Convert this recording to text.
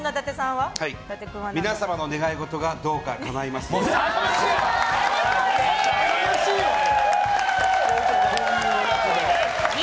皆様の願い事がどうかかないますように。